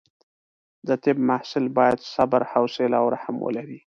د طب محصل باید صبر، حوصله او رحم ولري.